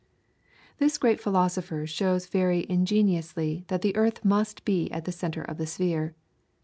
This great philosopher shows very ingeniously that the earth must be at the centre of the sphere.